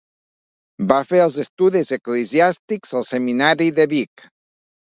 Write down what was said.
Va fer els estudis eclesiàstics al Seminari de Vic.